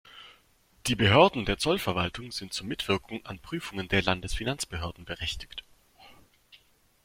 Die Behörden der Zollverwaltung sind zur Mitwirkung an Prüfungen der Landesfinanzbehörden berechtigt.